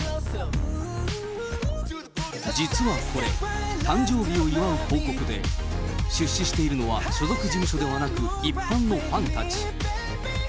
実はこれ、誕生日を祝う広告で、出資しているのは所属事務所ではなく、一般のファンたち。